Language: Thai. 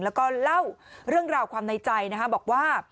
แล้วก็เล่าเรื่องราวความในใจบอกว่า